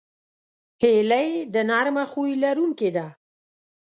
هیلۍ د نرمه خوی لرونکې ده